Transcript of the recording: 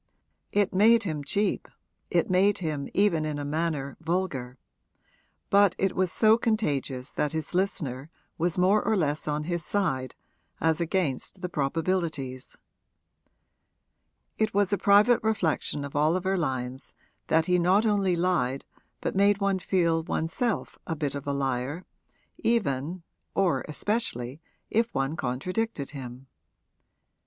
It made him cheap, it made him even in a manner vulgar; but it was so contagious that his listener was more or less on his side as against the probabilities. It was a private reflection of Oliver Lyon's that he not only lied but made one feel one's self a bit of a liar, even (or especially) if one contradicted him.